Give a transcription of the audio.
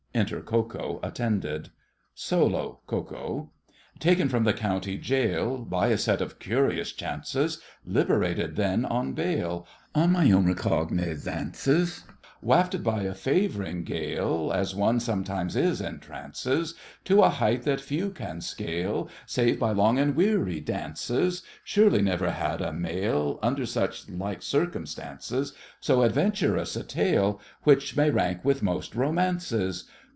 Enter Ko Ko attended. SOLO—KO KO. Taken from the county jail By a set of curious chances; Liberated then on bail, On my own recognizances; Wafted by a favouring gale As one sometimes is in trances, To a height that few can scale, Save by long and weary dances; Surely, never had a male Under such like circumstances So adventurous a tale, Which may rank with most romances.